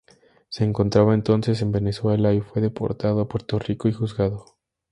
Se encontraba entonces en Venezuela y fue deportado a Puerto Rico y juzgado.